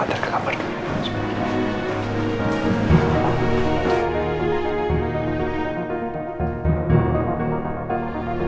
terima kasih untuk supportnya